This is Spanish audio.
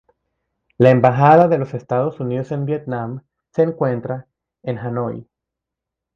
La Embajada de los Estados Unidos en Vietnam se encuentra en Hanoi.